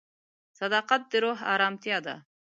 صداقت د روح ارامتیا ده.